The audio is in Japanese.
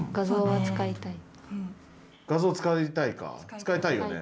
使いたいよね